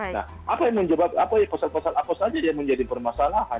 nah apa yang menyebabkan pasal pasal apa saja yang menjadi permasalahan